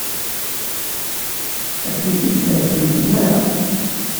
Ad tent-id-tafemt, naɣ?